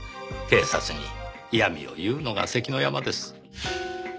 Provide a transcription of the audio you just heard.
警察に嫌みを言うのが関の山です。